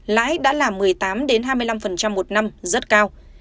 lãi đã là một mươi tám hai mươi năm một năm rất cao